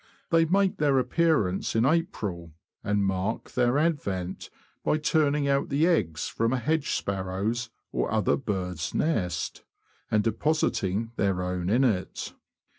They make their appearance in April, and mark their advent by turning out the eggs from a hedge sparrow's or other bird's nest, and depositing their own in it.